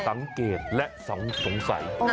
สังเกตและสงสัย